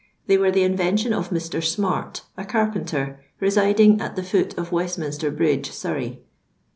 They were the invention of Mr. Smart, a carpenter, residing a: the foot of Westminster bridge, Sarroy.